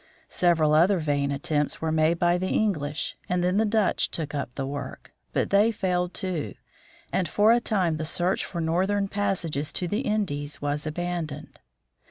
Several other vain attempts were made by the English, and then the Dutch took up the work ; but they failed, too, and for a time the search for northern passages northernmost to the Indies was aban "*"»" doned.